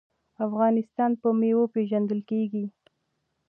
افغانستان په میوو پیژندل کیږي.